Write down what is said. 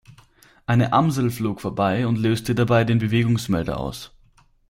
Eine Amsel flog vorbei und löste dabei den Bewegungsmelder aus.